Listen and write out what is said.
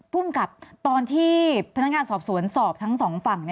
ภูมิกับตอนที่พนักงานสอบสวนสอบทั้งสองฝั่ง